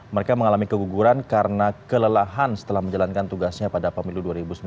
mereka mengalami keguguran karena kelelahan setelah menjalankan tugasnya pada pemilu dua ribu sembilan belas